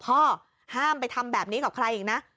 ห้ามไปทำแบบนี้กับใครอีกนะ